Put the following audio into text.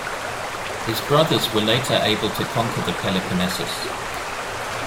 His brothers were later able to conquer the Peloponessus.